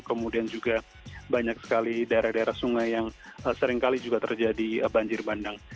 kemudian juga banyak sekali daerah daerah sungai yang seringkali juga terjadi banjir bandang